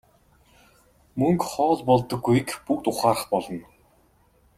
Мөнгө хоол болдоггүйг бүгд ухаарах болно.